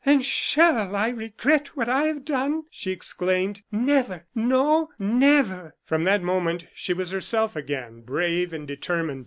"And shall I regret what I have done?" she exclaimed; "never! no, never!" From that moment, she was herself again, brave and determined.